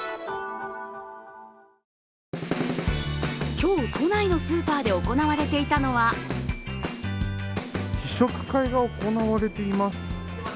今日、都内のスーパーで行われていたのは試食会が行われています。